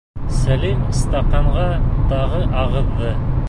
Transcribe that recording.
Сәлим стаканға тағы ағыҙҙы.